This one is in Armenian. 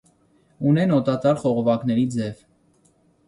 Ունեն օդատար խողովակների ձև։